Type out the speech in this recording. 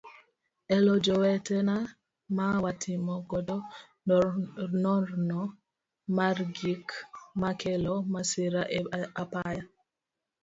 Elo jowetena ma watimo godo nonro mar gik makelo masira e apaya.